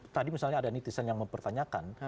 tadi misalnya ada netizen yang mempertanyakan